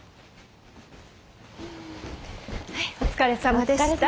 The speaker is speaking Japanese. はいお疲れさまでした。